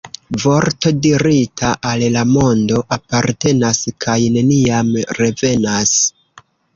Vorto dirita al la mondo apartenas kaj neniam revenas.